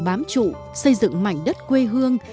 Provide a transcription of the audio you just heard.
bám trụ xây dựng mảnh đất quê hương